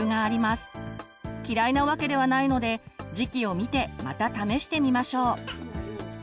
嫌いなわけではないので時期を見てまた試してみましょう。